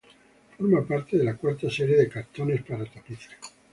Forma parte de la cuarta serie de cartones para tapices.